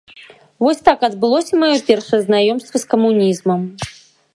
Вось так адбылося маё першае знаёмства з камунізмам.